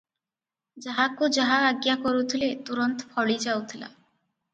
ଯାହାକୁ ଯାହା ଆଜ୍ଞା କରୁଥିଲେ, ତୁରନ୍ତ ଫଳି ଯାଉଥିଲା ।